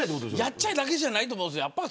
やっちゃえだけじゃないと思うんです。